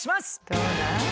どうだ？